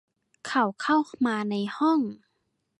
เขาเข้ามาในห้อง